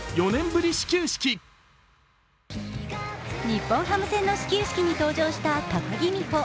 日本ハム戦の始球式に登場した高木美帆。